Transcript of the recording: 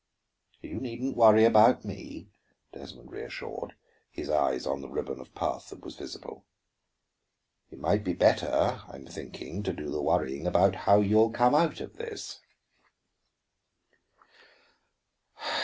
"You needn't worry about me," Desmond reassured, his eyes on the ribbon of path that was visible. "It might be better, I'm thinking, to do the worrying about how you'll come out of this."